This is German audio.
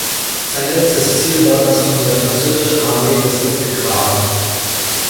Sein letztes Ziel war das von der französischen Armee besetzte Grave.